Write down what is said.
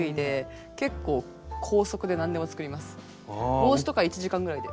帽子とか１時間ぐらいで。